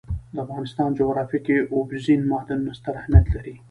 د افغانستان جغرافیه کې اوبزین معدنونه ستر اهمیت لري.